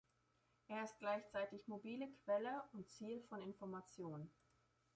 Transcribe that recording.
Er ist gleichzeitig mobile Quelle und Ziel von Informationen.